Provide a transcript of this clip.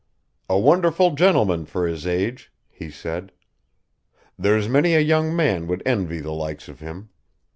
"A wonderful gentleman for his age," he said. "There's many a young man would envy the likes of him.